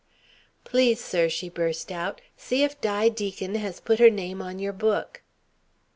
"Please, sir!" she burst out. "See if Di Deacon has put her name on your book."